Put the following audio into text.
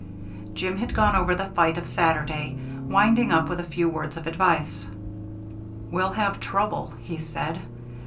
Jim had gone over the fight of Saturday, winding up with a few words of advice. "We'll have trouble," he said.